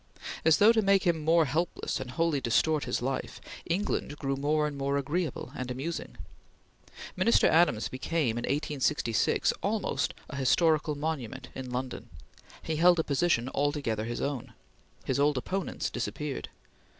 As though to make him more helpless and wholly distort his life, England grew more and more agreeable and amusing. Minister Adams became, in 1866, almost a historical monument in London; he held a position altogether his own. His old opponents disappeared.